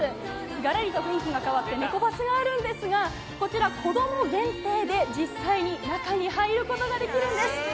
がらりと雰囲気が変わってネコバスがあるんですが、こちら、子ども限定で実際に中に入ることができるんです。